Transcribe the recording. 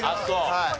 はい。